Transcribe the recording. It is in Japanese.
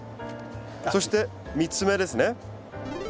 そして３つ目ですね。